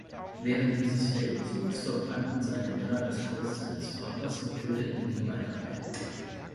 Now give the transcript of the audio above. Während dieses Feldzugs verbrannten seine Männer das Haus seines Vaters und töteten ihn beinahe.